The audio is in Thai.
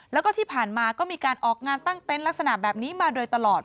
แล้วก็ที่ผ่านมาก็มีการออกงานตั้งเต็นต์ลักษณะแบบนี้มาโดยตลอด